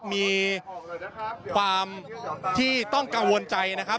มีความที่ต้องกังวลใจนะครับ